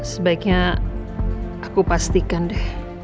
sebaiknya aku pastikan deh